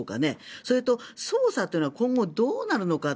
それと、捜査というのは今後どうなるのか。